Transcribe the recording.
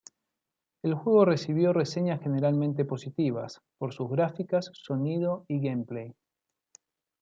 El juego recibió reseñas generalmente positivas, por sus gráficas, sonido y gameplay.